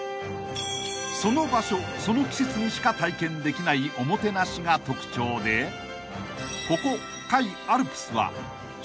［その場所その季節にしか体験できないおもてなしが特徴でここ］